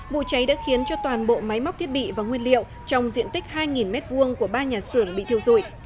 vụ cháy đã khiến cho toàn bộ máy móc thiết bị và nguyên liệu trong diện tích hai m hai của ba nhà xưởng bị thiêu dụi